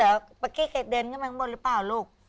เมื่อกี้เคยเดินเข้ามาข้างบนหรือเปล่าลูก